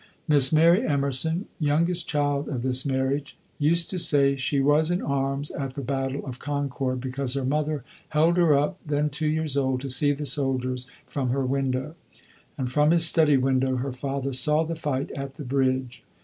Miss Mary Emerson, youngest child of this marriage, used to say "she was in arms at the battle of Concord," because her mother held her up, then two years old, to see the soldiers from her window; and from his study window her father saw the fight at the bridge.